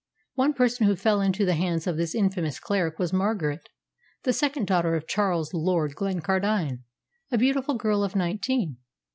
One person who fell into the hands of this infamous cleric was Margaret, the second daughter of Charles, Lord Glencardine, a beautiful girl of nineteen.